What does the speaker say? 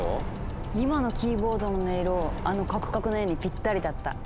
今のキーボードの音色あのカクカクの絵にピッタリだった。